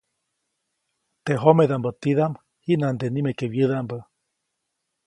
Teʼ jomedaʼmbä tidaʼm, jiʼnande nimeke wyädaʼmbä.